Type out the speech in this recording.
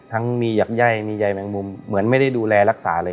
ทั้งมีหยักย่ายมีใยแมงมุมเหมือนไม่ได้ดูแลรักษาเลย